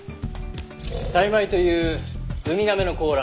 タイマイというウミガメの甲羅。